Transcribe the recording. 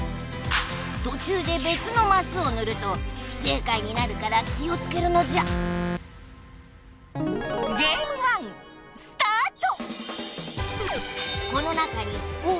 とちゅうでべつのマスをぬると不正解になるから気をつけるのじゃスタート！